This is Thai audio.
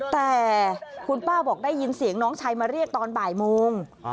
แต่คุณป้าบอกได้ยินเสียงน้องชายมาเรียกตอนบ่ายโมง